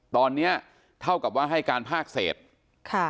ตอนนี้เท่ากับว่าให้การภาคเศษค่ะ